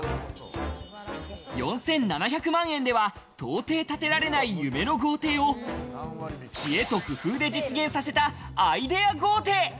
４７００万円では到底建てられない夢のような豪邸を知恵と工夫で実現させたアイデア豪邸。